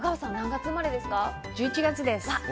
１１月です。